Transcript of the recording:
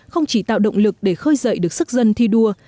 không chỉ tạo động lực để khơi dậy được sức dân thi đua